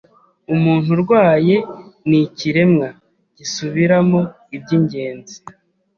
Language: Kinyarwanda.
Umuntu urwaye ni ikiremwa gisubiramo ibyingenzi